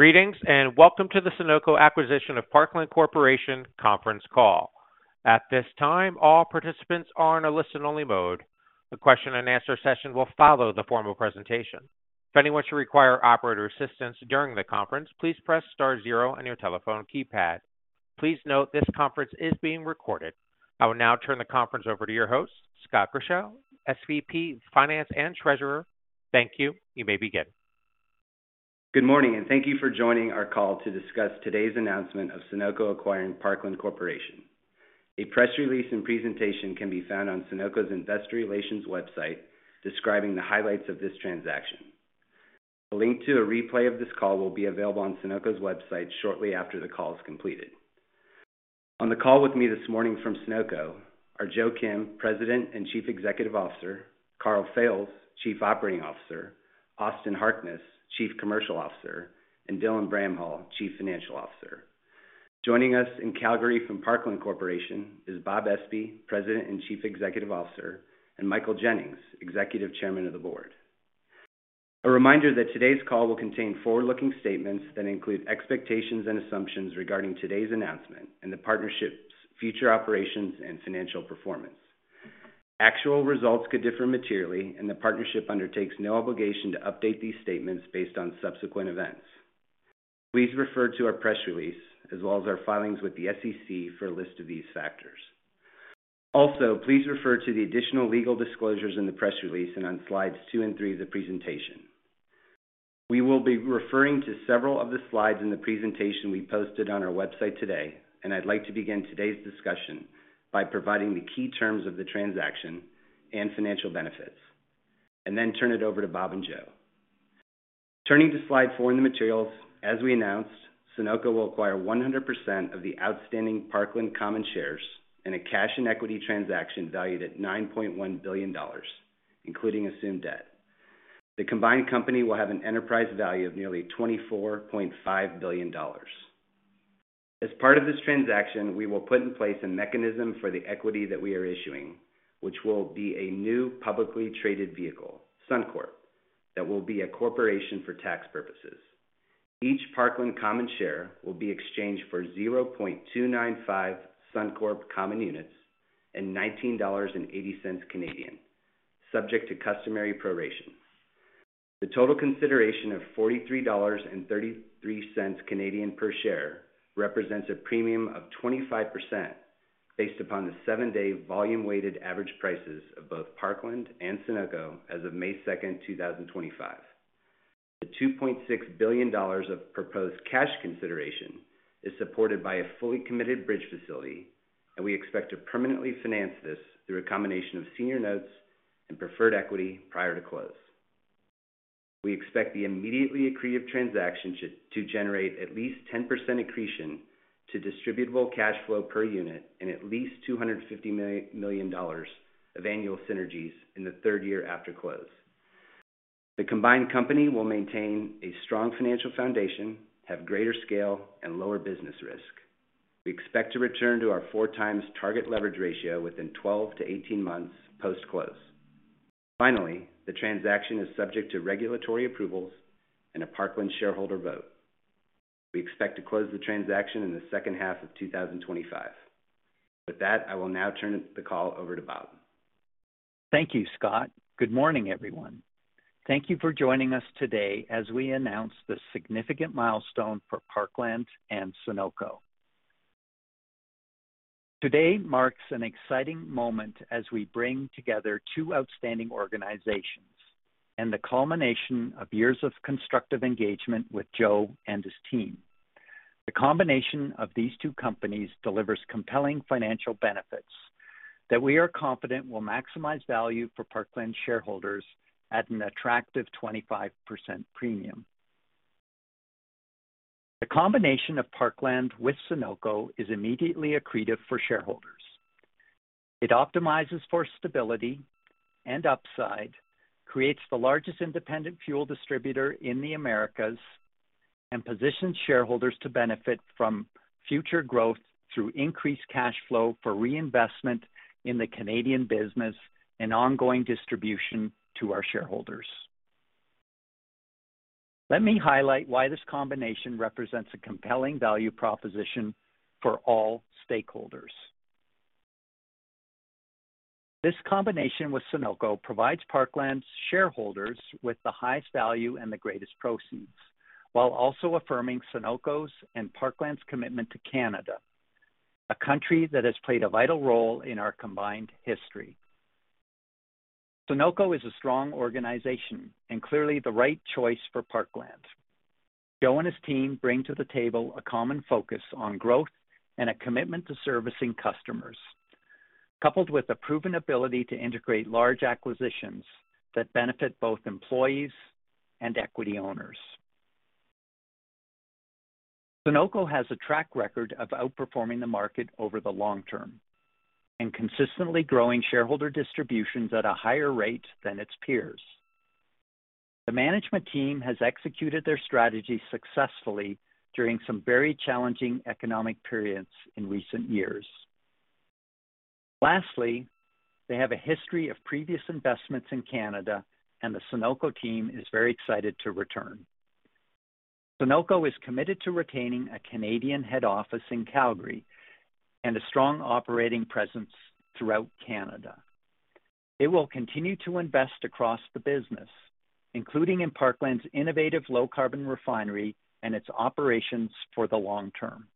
Greetings and welcome to the Sunoco Acquisition of Parkland Corporation Conference Call. At this time, all participants are in a listen-only mode. The question-and-answer session will follow the formal presentation. If anyone should require operator assistance during the conference, please press star zero on your telephone keypad. Please note this conference is being recorded. I will now turn the conference over to your host, Scott Grischow, SVP, Finance and Treasurer. Thank you. You may begin. Good morning, and thank you for joining our call to discuss today's announcement of Sunoco acquiring Parkland Corporation. A press release and presentation can be found on Sunoco's investor relations website describing the highlights of this transaction. A link to a replay of this call will be available on Sunoco's website shortly after the call is completed. On the call with me this morning from Sunoco are Joe Kim, President and Chief Executive Officer; Karl Fails, Chief Operating Officer; Austin Harkness, Chief Commercial Officer; and Dylan Bramhall, Chief Financial Officer. Joining us in Calgary from Parkland Corporation is Bob Espey, President and Chief Executive Officer, and Michael Jennings, Executive Chairman of the Board. A reminder that today's call will contain forward-looking statements that include expectations and assumptions regarding today's announcement and the partnership's future operations and financial performance. Actual results could differ materially, and the partnership undertakes no obligation to update these statements based on subsequent events. Please refer to our press release as well as our filings with the SEC for a list of these factors. Also, please refer to the additional legal disclosures in the press release and on slides two and three of the presentation. We will be referring to several of the slides in the presentation we posted on our website today, and I'd like to begin today's discussion by providing the key terms of the transaction and financial benefits, and then turn it over to Bob and Joe. Turning to slide four in the materials, as we announced, Sunoco will acquire 100% of the outstanding Parkland common shares in a cash and equity transaction valued at $9.1 billion, including assumed debt. The combined company will have an enterprise value of nearly $24.5 billion. As part of this transaction, we will put in place a mechanism for the equity that we are issuing, which will be a new publicly traded vehicle, Sunoco Corp, that will be a corporation for tax purposes. Each Parkland common share will be exchanged for 0.295 Sunoco Corp common units and 19.80 Canadian dollars, subject to customary proration. The total consideration of 43.33 Canadian dollars per share represents a premium of 25% based upon the seven-day volume-weighted average prices of both Parkland and Sunoco as of May 2, 2025. The $2.6 billion of proposed cash consideration is supported by a fully committed bridge facility, and we expect to permanently finance this through a combination of senior notes and preferred equity prior to close. We expect the immediately accretive transaction to generate at least 10% accretion to distributable cash flow per unit and at least $250 million of annual synergies in the third year after close. The combined company will maintain a strong financial foundation, have greater scale, and lower business risk. We expect to return to our four-times target leverage ratio within 12-18 months post-close. Finally, the transaction is subject to regulatory approvals and a Parkland shareholder vote. We expect to close the transaction in the second half of 2025. With that, I will now turn the call over to Bob. Thank you, Scott. Good morning, everyone. Thank you for joining us today as we announce the significant milestone for Parkland and Sunoco. Today marks an exciting moment as we bring together two outstanding organizations and the culmination of years of constructive engagement with Joe and his team. The combination of these two companies delivers compelling financial benefits that we are confident will maximize value for Parkland shareholders at an attractive 25% premium. The combination of Parkland with Sunoco is immediately accretive for shareholders. It optimizes for stability and upside, creates the largest independent fuel distributor in the Americas, and positions shareholders to benefit from future growth through increased cash flow for reinvestment in the Canadian business and ongoing distribution to our shareholders. Let me highlight why this combination represents a compelling value proposition for all stakeholders. This combination with Sunoco provides Parkland's shareholders with the highest value and the greatest proceeds, while also affirming Sunoco's and Parkland's commitment to Canada, a country that has played a vital role in our combined history. Sunoco is a strong organization and clearly the right choice for Parkland. Joe and his team bring to the table a common focus on growth and a commitment to servicing customers, coupled with a proven ability to integrate large acquisitions that benefit both employees and equity owners. Sunoco has a track record of outperforming the market over the long term and consistently growing shareholder distributions at a higher rate than its peers. The management team has executed their strategy successfully during some very challenging economic periods in recent years. Lastly, they have a history of previous investments in Canada, and the Sunoco team is very excited to return. Sunoco is committed to retaining a Canadian head office in Calgary and a strong operating presence throughout Canada. They will continue to invest across the business, including in Parkland's innovative low-carbon refinery and its operations for the long term.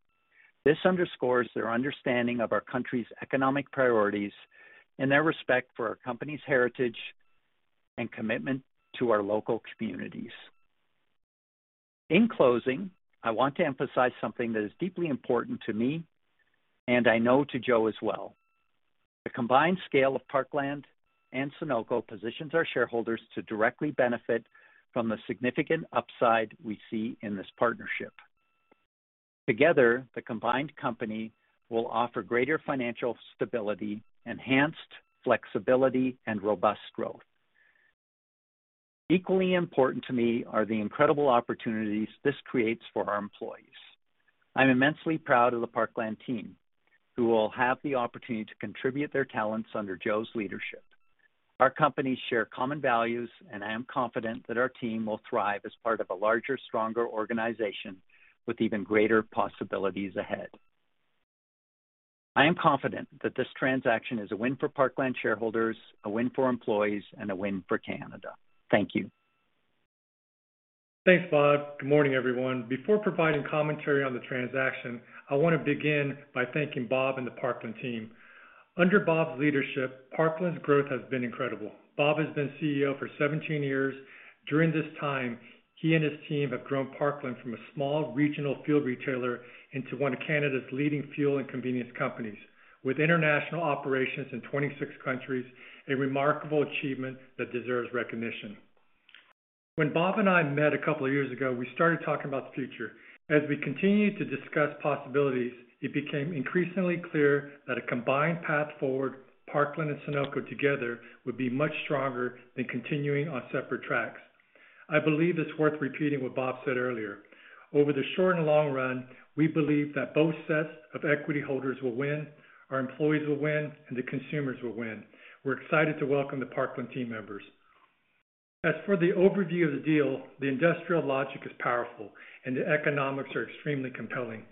This underscores their understanding of our country's economic priorities and their respect for our company's heritage and commitment to our local communities. In closing, I want to emphasize something that is deeply important to me, and I know to Joe as well. The combined scale of Parkland and Sunoco positions our shareholders to directly benefit from the significant upside we see in this partnership. Together, the combined company will offer greater financial stability, enhanced flexibility, and robust growth. Equally important to me are the incredible opportunities this creates for our employees. I'm immensely proud of the Parkland team, who will have the opportunity to contribute their talents under Joe's leadership. Our companies share common values, and I am confident that our team will thrive as part of a larger, stronger organization with even greater possibilities ahead. I am confident that this transaction is a win for Parkland shareholders, a win for employees, and a win for Canada. Thank you. Thanks, Bob. Good morning, everyone. Before providing commentary on the transaction, I want to begin by thanking Bob and the Parkland team. Under Bob's leadership, Parkland's growth has been incredible. Bob has been CEO for 17 years. During this time, he and his team have grown Parkland from a small regional fuel retailer into one of Canada's leading fuel and convenience companies, with international operations in 26 countries, a remarkable achievement that deserves recognition. When Bob and I met a couple of years ago, we started talking about the future. As we continued to discuss possibilities, it became increasingly clear that a combined path forward, Parkland and Sunoco together, would be much stronger than continuing on separate tracks. I believe it's worth repeating what Bob said earlier. Over the short and long run, we believe that both sets of equity holders will win, our employees will win, and the consumers will win. We're excited to welcome the Parkland team members. As for the overview of the deal, the industrial logic is powerful, and the economics are extremely compelling.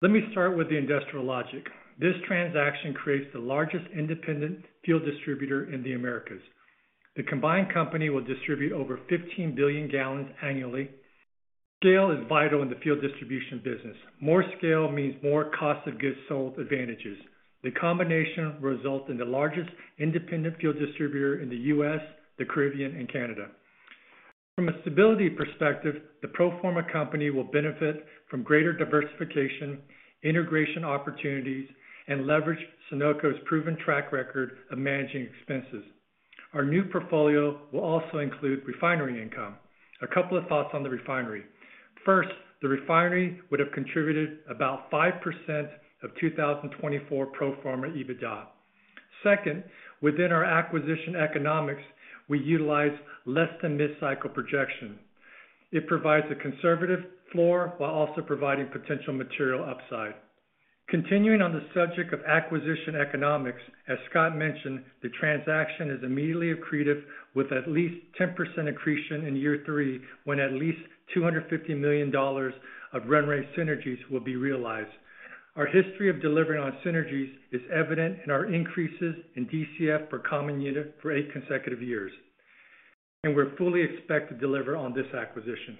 Let me start with the industrial logic. This transaction creates the largest independent fuel distributor in the Americas. The combined company will distribute over 15 billion gallons annually. Scale is vital in the fuel distribution business. More scale means more cost of goods sold advantages. The combination results in the largest independent fuel distributor in the US, the Caribbean, and Canada. From a stability perspective, the pro forma company will benefit from greater diversification, integration opportunities, and leverage Sunoco's proven track record of managing expenses. Our new portfolio will also include refinery income. A couple of thoughts on the refinery. First, the refinery would have contributed about 5% of 2024 pro forma EBITDA. Second, within our acquisition economics, we utilize less-than-mid-cycle projection. It provides a conservative floor while also providing potential material upside. Continuing on the subject of acquisition economics, as Scott mentioned, the transaction is immediately accretive with at least 10% accretion in year three when at least $250 million of run-rate synergies will be realized. Our history of delivering on synergies is evident in our increases in DCF per common unit for eight consecutive years, and we're fully expected to deliver on this acquisition.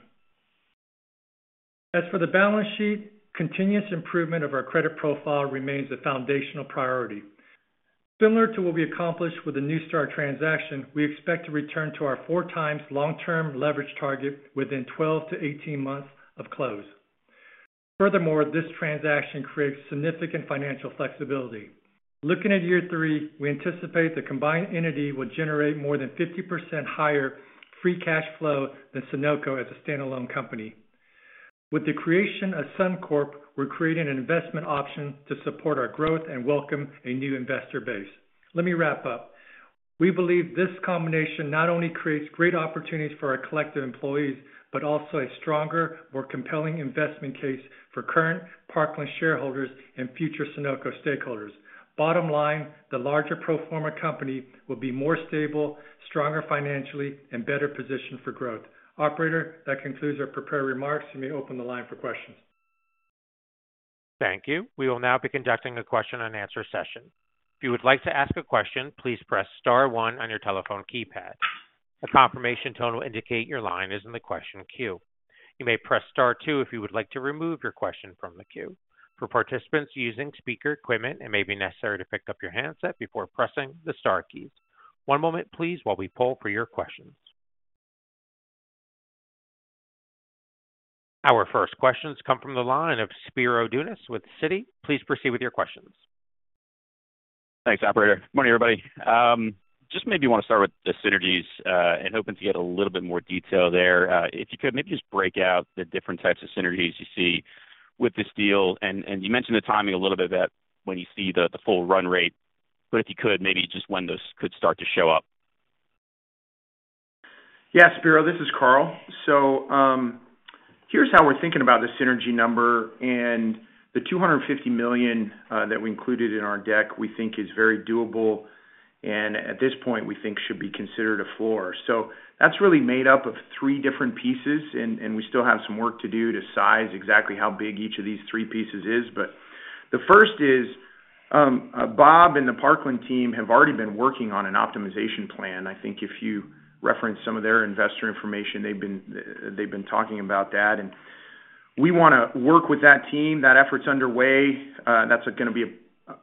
As for the balance sheet, continuous improvement of our credit profile remains a foundational priority. Similar to what we accomplished with the NuStar transaction, we expect to return to our four-times long-term leverage target within 12 to 18 months of close. Furthermore, this transaction creates significant financial flexibility. Looking at year three, we anticipate the combined entity will generate more than 50% higher free cash flow than Sunoco as a standalone company. With the creation of Sunoco Corp, we're creating an investment option to support our growth and welcome a new investor base. Let me wrap up. We believe this combination not only creates great opportunities for our collective employees, but also a stronger, more compelling investment case for current Parkland shareholders and future Sunoco stakeholders. Bottom line, the larger pro forma company will be more stable, stronger financially, and better positioned for growth. Operator, that concludes our prepared remarks. You may open the line for questions. Thank you. We will now be conducting a question-and-answer session. If you would like to ask a question, please press star one on your telephone keypad. A confirmation tone will indicate your line is in the question queue. You may press star two if you would like to remove your question from the queue. For participants using speaker equipment, it may be necessary to pick up your handset before pressing the star keys. One moment, please, while we pull for your questions. Our first questions come from the line of Spiro Dounis with Citi. Please proceed with your questions. Thanks, Operator. Morning, everybody. Just maybe want to start with the synergies. I'm hoping to get a little bit more detail there. If you could, maybe just break out the different types of synergies you see with this deal. You mentioned the timing a little bit of that when you see the full run rate, but if you could, maybe just when those could start to show up. Yeah, Spiro, this is Karl. Here is how we're thinking about the synergy number. The $250 million that we included in our deck, we think, is very doable. At this point, we think it should be considered a floor. That is really made up of three different pieces, and we still have some work to do to size exactly how big each of these three pieces is. The first is Bob and the Parkland team have already been working on an optimization plan. I think if you reference some of their investor information, they have been talking about that. We want to work with that team. That effort is underway. That is going to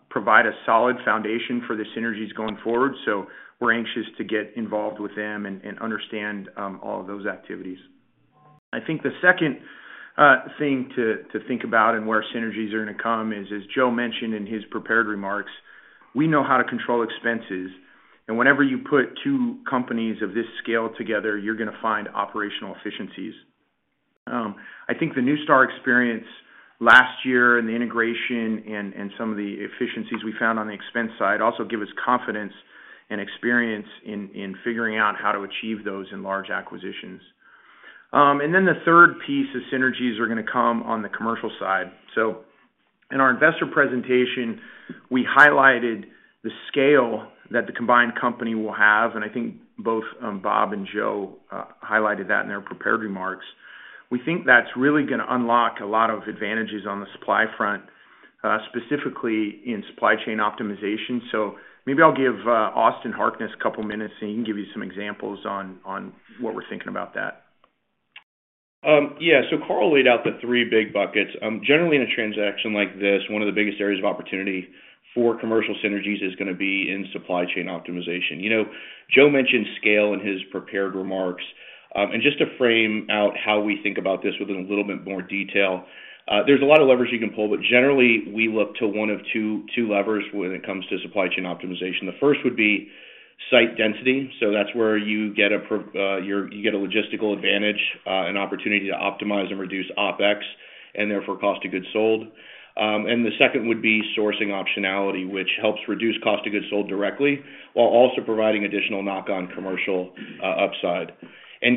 provide a solid foundation for the synergies going forward. We are anxious to get involved with them and understand all of those activities. I think the second thing to think about and where synergies are going to come is, as Joe mentioned in his prepared remarks, we know how to control expenses. Whenever you put two companies of this scale together, you're going to find operational efficiencies. I think the NuStar experience last year and the integration and some of the efficiencies we found on the expense side also give us confidence and experience in figuring out how to achieve those in large acquisitions. The third piece of synergies are going to come on the commercial side. In our investor presentation, we highlighted the scale that the combined company will have. I think both Bob and Joe highlighted that in their prepared remarks. We think that's really going to unlock a lot of advantages on the supply front, specifically in supply chain optimization. Maybe I'll give Austin Harkness a couple of minutes, and he can give you some examples on what we're thinking about that. Yeah. Karl laid out the three big buckets. Generally, in a transaction like this, one of the biggest areas of opportunity for commercial synergies is going to be in supply chain optimization. Joe mentioned scale in his prepared remarks. Just to frame out how we think about this with a little bit more detail, there are a lot of levers you can pull, but generally, we look to one of two levers when it comes to supply chain optimization. The first would be site density. That is where you get a logistical advantage, an opportunity to optimize and reduce OPEX, and therefore cost of goods sold. The second would be sourcing optionality, which helps reduce cost of goods sold directly while also providing additional knock-on commercial upside.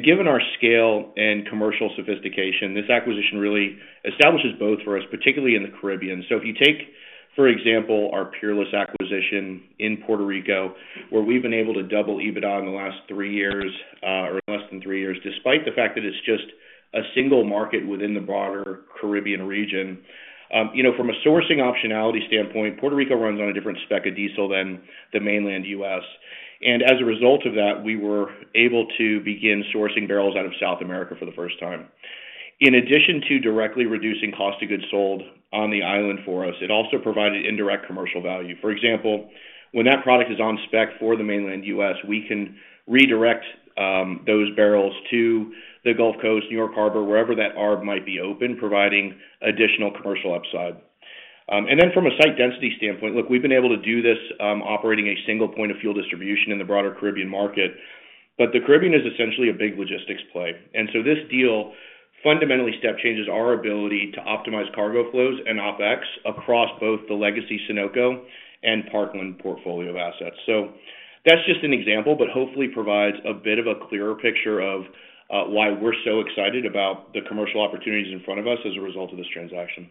Given our scale and commercial sophistication, this acquisition really establishes both for us, particularly in the Caribbean. If you take, for example, our Peerless acquisition in Puerto Rico, where we've been able to double EBITDA in the last three years or less than three years, despite the fact that it's just a single market within the broader Caribbean region. From a sourcing optionality standpoint, Puerto Rico runs on a different spec of diesel than the mainland US. As a result of that, we were able to begin sourcing barrels out of South America for the first time. In addition to directly reducing cost of goods sold on the island for us, it also provided indirect commercial value. For example, when that product is on spec for the mainland US, we can redirect those barrels to the Gulf Coast, New York Harbor, wherever that arb might be open, providing additional commercial upside. From a site density standpoint, look, we've been able to do this operating a single point of fuel distribution in the broader Caribbean market. The Caribbean is essentially a big logistics play. This deal fundamentally step changes our ability to optimize cargo flows and OPEX across both the legacy Sunoco and Parkland portfolio of assets. That's just an example, but hopefully provides a bit of a clearer picture of why we're so excited about the commercial opportunities in front of us as a result of this transaction.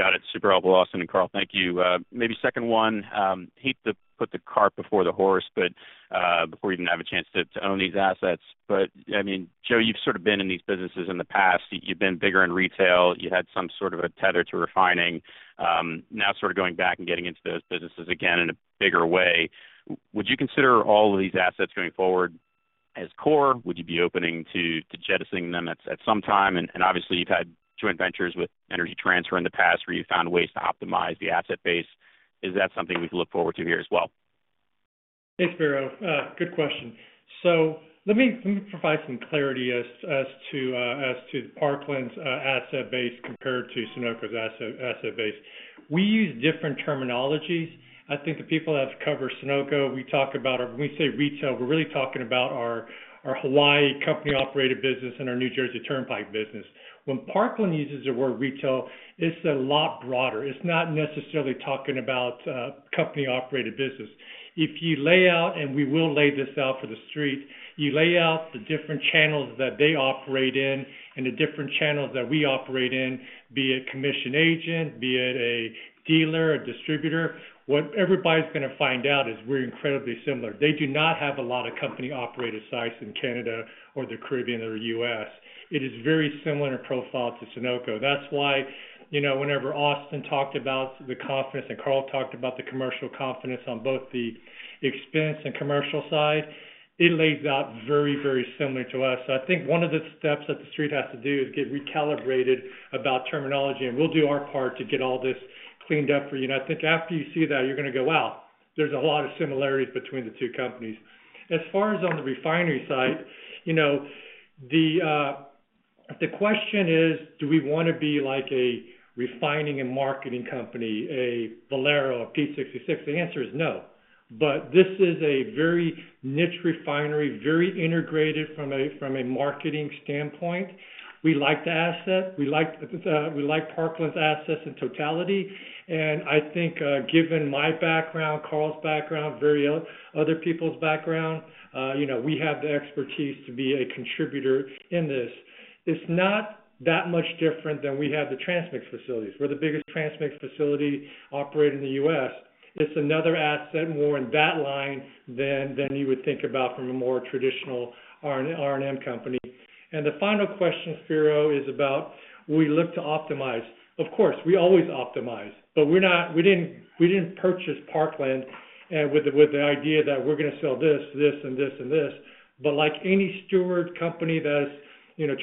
Got it. Super helpful, Austin and Karl. Thank you. Maybe second one, hate to put the cart before the horse, but before you even have a chance to own these assets. I mean, Joe, you've sort of been in these businesses in the past. You've been bigger in retail. You had some sort of a tether to refining. Now sort of going back and getting into those businesses again in a bigger way. Would you consider all of these assets going forward as core? Would you be open to jettisoning them at some time? Obviously, you've had joint ventures with Energy Transfer in the past where you found ways to optimize the asset base. Is that something we can look forward to here as well? Thanks, Spiro. Good question. Let me provide some clarity as to Parkland's asset base compared to Sunoco's asset base. We use different terminologies. I think the people that have covered Sunoco, we talk about when we say retail, we're really talking about our Hawaii company-operated business and our New Jersey Turnpike business. When Parkland uses the word retail, it's a lot broader. It's not necessarily talking about company-operated business. If you lay out, and we will lay this out for the street, you lay out the different channels that they operate in and the different channels that we operate in, be it commission agent, be it a dealer, a distributor, what everybody's going to find out is we're incredibly similar. They do not have a lot of company-operated sites in Canada or the Caribbean or the US. It is very similar in profile to Sunoco. That's why whenever Austin talked about the confidence and Karl talked about the commercial confidence on both the expense and commercial side, it lays out very, very similar to us. I think one of the steps that the street has to do is get recalibrated about terminology. We'll do our part to get all this cleaned up for you. I think after you see that, you're going to go, "Wow, there's a lot of similarities between the two companies." As far as on the refinery side, the question is, do we want to be like a refining and marketing company, a Valero, a P66? The answer is no. This is a very niche refinery, very integrated from a marketing standpoint. We like the asset. We like Parkland's assets in totality. I think given my background, Karl's background, very other people's background, we have the expertise to be a contributor in this. It's not that much different than we have the transmix facilities. We're the biggest transmix facility operator in the US. It's another asset more in that line than you would think about from a more traditional R&M company. The final question, Spiro, is about we look to optimize. Of course, we always optimize, but we didn't purchase Parkland with the idea that we're going to sell this, this, and this, and this. Like any steward company that is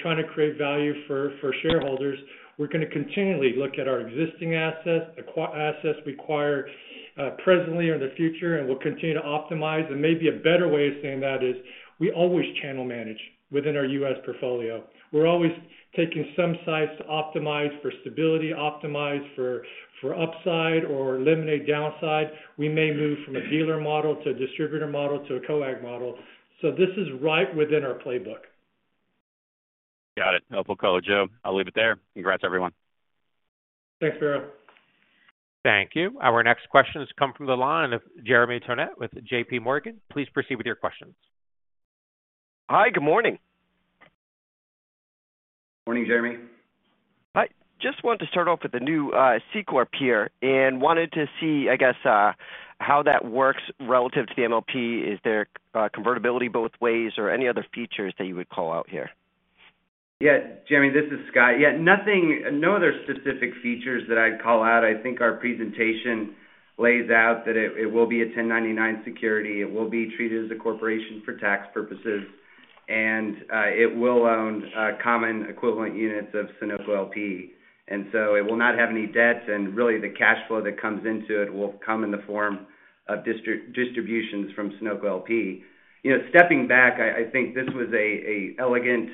trying to create value for shareholders, we're going to continually look at our existing assets, the assets we acquire presently or in the future, and we'll continue to optimize. Maybe a better way of saying that is we always channel manage within our US portfolio. We're always taking some sites to optimize for stability, optimize for upside or eliminate downside. We may move from a dealer model to a distributor model to a commission agent model. This is right within our playbook. Got it. Helpful, Coach Joe. I'll leave it there. Congrats, everyone. Thanks, Spiro. Thank you. Our next questions come from the line of Jeremy Tonet with JP Morgan. Please proceed with your questions. Hi, good morning. Morning, Jeremy. I just wanted to start off with the new C Corp here and wanted to see, I guess, how that works relative to the MLP. Is there convertibility both ways or any other features that you would call out here? Yeah, Jeremy, this is Scott. Yeah, no other specific features that I'd call out. I think our presentation lays out that it will be a 1099 security. It will be treated as a corporation for tax purposes, and it will own common equivalent units of Sunoco LP. It will not have any debts, and really the cash flow that comes into it will come in the form of distributions from Sunoco LP. Stepping back, I think this was an elegant,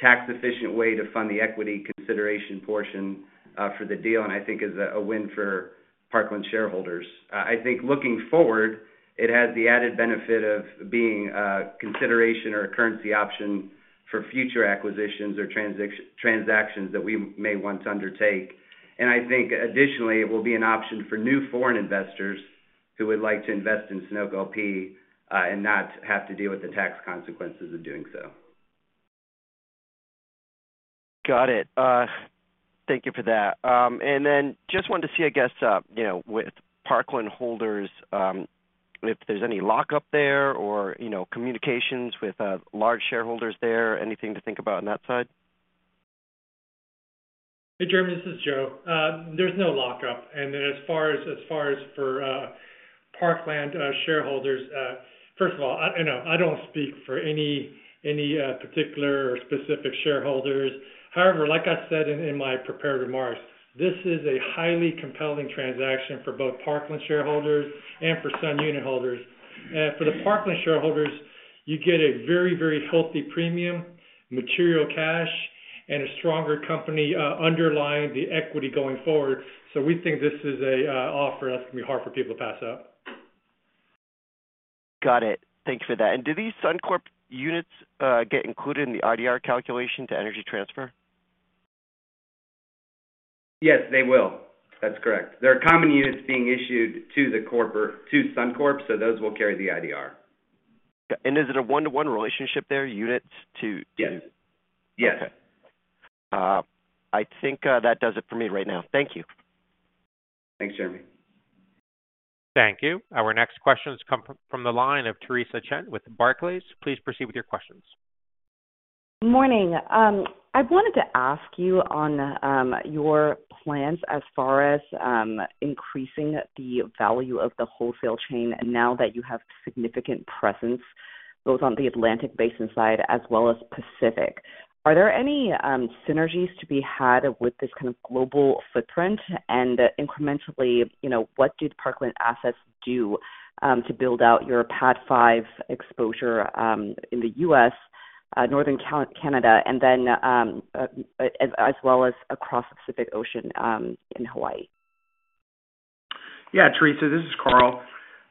tax-efficient way to fund the equity consideration portion for the deal, and I think is a win for Parkland shareholders. I think looking forward, it has the added benefit of being a consideration or a currency option for future acquisitions or transactions that we may want to undertake. I think additionally, it will be an option for new foreign investors who would like to invest in Sunoco LP and not have to deal with the tax consequences of doing so. Got it. Thank you for that. I just wanted to see, I guess, with Parkland holders, if there's any lockup there or communications with large shareholders there, anything to think about on that side? Hey, Jeremy, this is Joe. There's no lockup. As far as for Parkland shareholders, first of all, I don't speak for any particular or specific shareholders. However, like I said in my prepared remarks, this is a highly compelling transaction for both Parkland shareholders and for Sun unit holders. For the Parkland shareholders, you get a very, very healthy premium, material cash, and a stronger company underlying the equity going forward. We think this is an offer that's going to be hard for people to pass up. Got it. Thank you for that. Do these Sunoco units get included in the IDR calculation to Energy Transfer? Yes, they will. That's correct. There are common units being issued to Sunoco Corp, so those will carry the IDR. Is it a one-to-one relationship there, units to? Yes. Yes. Okay. I think that does it for me right now. Thank you. Thanks, Jeremy. Thank you. Our next questions come from the line of Theresa Chen with Barclays. Please proceed with your questions. Morning. I wanted to ask you on your plans as far as increasing the value of the wholesale chain now that you have significant presence both on the Atlantic Basin side as well as Pacific. Are there any synergies to be had with this kind of global footprint? Incrementally, what did Parkland Assets do to build out your PADD 5 exposure in the US, Northern Canada, and then as well as across the Pacific Ocean in Hawaii? Yeah, Theresa, this is Karl.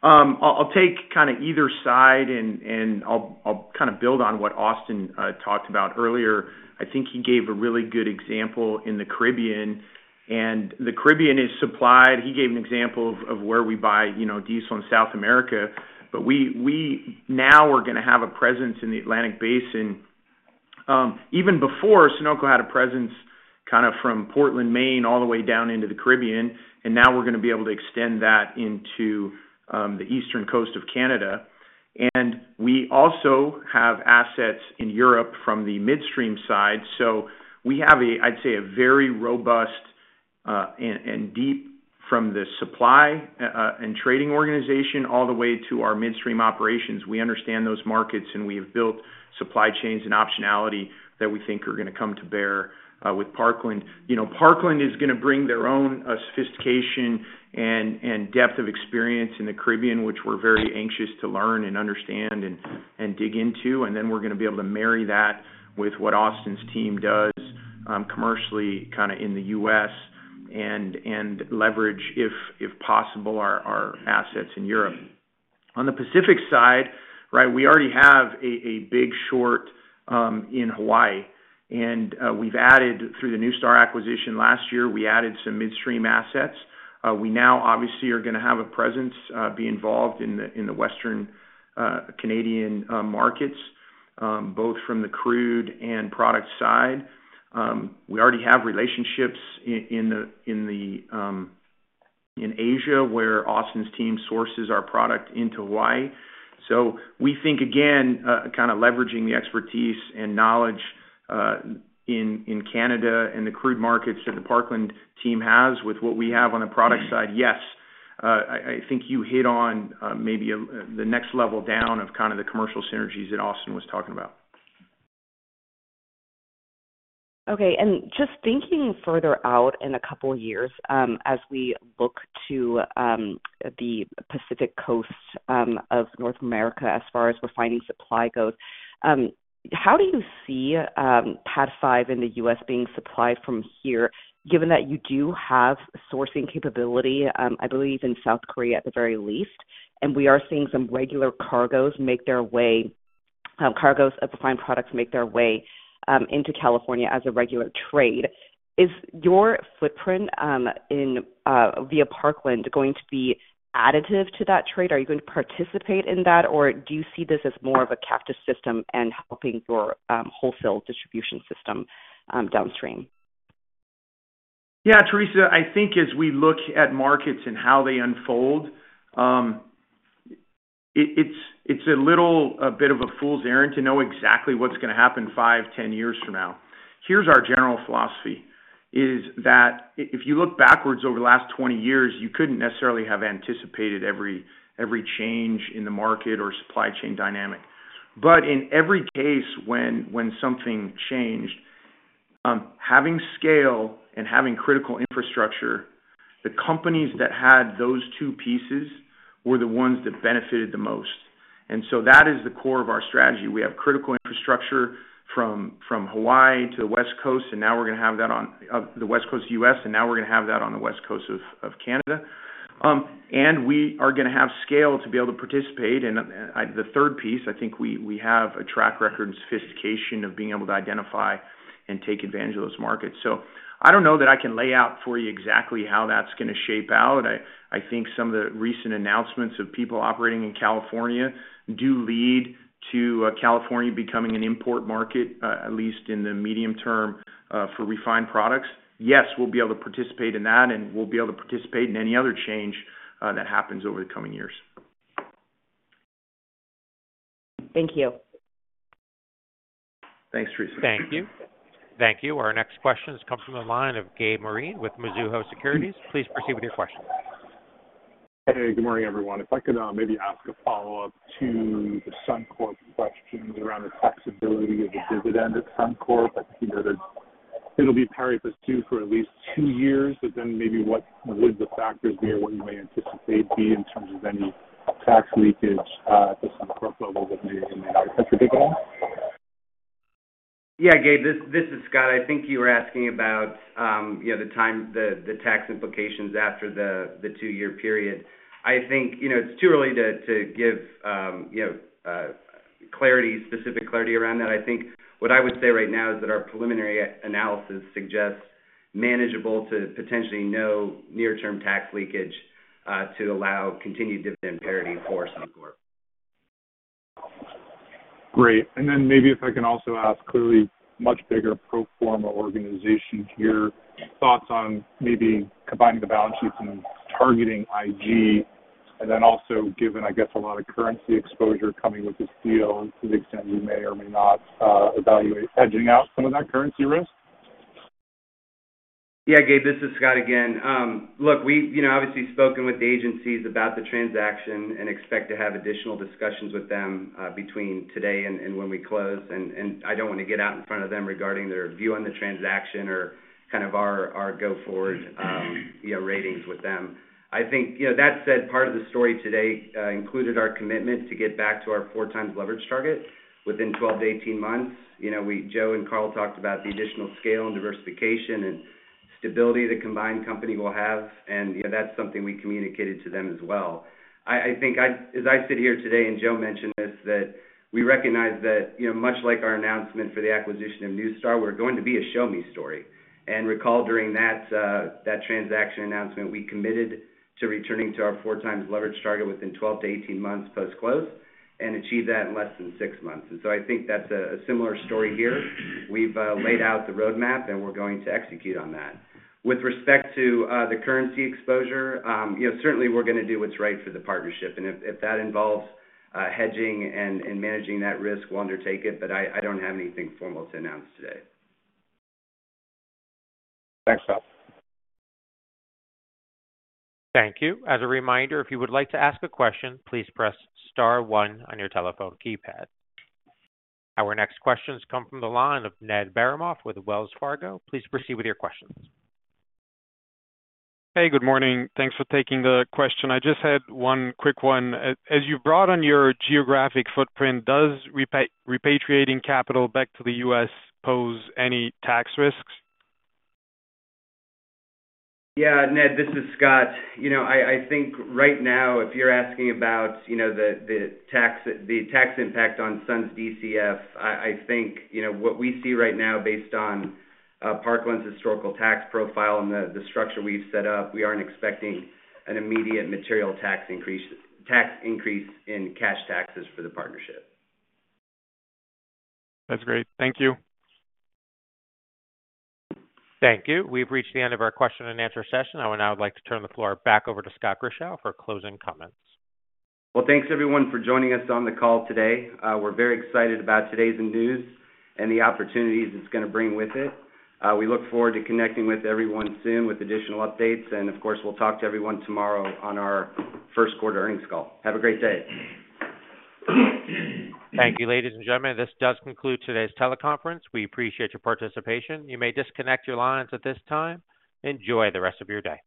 I'll take kind of either side, and I'll kind of build on what Austin talked about earlier. I think he gave a really good example in the Caribbean. The Caribbean is supplied. He gave an example of where we buy diesel in South America. Now we're going to have a presence in the Atlantic Basin. Even before, Sunoco had a presence kind of from Portland, Maine, all the way down into the Caribbean. Now we're going to be able to extend that into the eastern coast of Canada. We also have assets in Europe from the midstream side. We have, I'd say, a very robust and deep, from the supply and trading organization all the way to our midstream operations. We understand those markets, and we have built supply chains and optionality that we think are going to come to bear with Parkland. Parkland is going to bring their own sophistication and depth of experience in the Caribbean, which we are very anxious to learn and understand and dig into. We are going to be able to marry that with what Austin's team does commercially kind of in the US and leverage, if possible, our assets in Europe. On the Pacific side, right, we already have a big short in Hawaii. We added through the NuStar acquisition last year, we added some midstream assets. We now obviously are going to have a presence be involved in the Western Canadian markets, both from the crude and product side. We already have relationships in Asia where Austin's team sources our product into Hawaii. We think, again, kind of leveraging the expertise and knowledge in Canada and the crude markets that the Parkland team has with what we have on the product side, yes, I think you hit on maybe the next level down of kind of the commercial synergies that Austin was talking about. Okay. Just thinking further out in a couple of years as we look to the Pacific Coast of North America as far as refining supply goes, how do you see PADD 5 in the US being supplied from here, given that you do have sourcing capability, I believe, in South Korea at the very least? We are seeing some regular cargoes make their way, cargoes of refined products make their way into California as a regular trade. Is your footprint via Parkland going to be additive to that trade? Are you going to participate in that, or do you see this as more of a captive system and helping your wholesale distribution system downstream? Yeah, Theresa, I think as we look at markets and how they unfold, it's a little bit of a fool's errand to know exactly what's going to happen 5, 10 years from now. Here's our general philosophy: if you look backwards over the last 20 years, you couldn't necessarily have anticipated every change in the market or supply chain dynamic. In every case when something changed, having scale and having critical infrastructure, the companies that had those two pieces were the ones that benefited the most. That is the core of our strategy. We have critical infrastructure from Hawaii to the West Coast, and now we're going to have that on the West Coast of the US, and now we're going to have that on the West Coast of Canada. We are going to have scale to be able to participate. The third piece, I think we have a track record and sophistication of being able to identify and take advantage of those markets. I do not know that I can lay out for you exactly how that is going to shape out. I think some of the recent announcements of people operating in California do lead to California becoming an import market, at least in the medium term for refined products. Yes, we will be able to participate in that, and we will be able to participate in any other change that happens over the coming years. Thank you. Thanks, Theresa. Thank you. Thank you. Our next questions come from the line of Gabriel Moreen with Mizuho Securities. Please proceed with your questions. Hey, good morning, everyone. If I could maybe ask a follow-up to the Sunoco questions around the taxability of the dividend of Sunoco. I think you noted it'll be pari passu for at least two years, but then maybe what would the factors be or what you may anticipate be in terms of any tax leakage at the Sunoco level that may or may not affect your dividend? Yeah, Gabe, this is Scott. I think you were asking about the tax implications after the two-year period. I think it's too early to give specific clarity around that. I think what I would say right now is that our preliminary analysis suggests manageable to potentially no near-term tax leakage to allow continued dividend parity for Parkland. Great. Maybe if I can also ask clearly, much bigger pro forma organization here, thoughts on maybe combining the balance sheets and targeting IG, and then also given, I guess, a lot of currency exposure coming with this deal to the extent you may or may not evaluate hedging out some of that currency risk? Yeah, Gabe, this is Scott again. Look, we've obviously spoken with the agencies about the transaction and expect to have additional discussions with them between today and when we close. I don't want to get out in front of them regarding their view on the transaction or kind of our go-forward ratings with them. I think that said, part of the story today included our commitment to get back to our four-times leverage target within 12-18 months. Joe and Karl talked about the additional scale and diversification and stability the combined company will have. That's something we communicated to them as well. I think as I sit here today and Joe mentioned this, that we recognize that much like our announcement for the acquisition of NuStar, we're going to be a show-me story. Recall during that transaction announcement, we committed to returning to our four-times leverage target within 12-18 months post-close and achieved that in less than six months. I think that's a similar story here. We've laid out the roadmap, and we're going to execute on that. With respect to the currency exposure, certainly we're going to do what's right for the partnership. If that involves hedging and managing that risk, we'll undertake it, but I don't have anything formal to announce today. Thanks, Scott. Thank you. As a reminder, if you would like to ask a question, please press star one on your telephone keypad. Our next questions come from the line of Ned Baramov with Wells Fargo. Please proceed with your questions. Hey, good morning. Thanks for taking the question. I just had one quick one. As you broaden your geographic footprint, does repatriating capital back to the U.S. pose any tax risks? Yeah, Ned, this is Scott. I think right now, if you're asking about the tax impact on Sun's DCF, I think what we see right now based on Parkland's historical tax profile and the structure we've set up, we aren't expecting an immediate material tax increase in cash taxes for the partnership. That's great. Thank you. Thank you. We've reached the end of our question and answer session. I would now like to turn the floor back over to Scott Grischow for closing comments. Thanks everyone for joining us on the call today. We're very excited about today's news and the opportunities it's going to bring with it. We look forward to connecting with everyone soon with additional updates. Of course, we'll talk to everyone tomorrow on our Q1 Earnings Call. Have a great day. Thank you, ladies and gentlemen. This does conclude today's teleconference. We appreciate your participation. You may disconnect your lines at this time. Enjoy the rest of your day.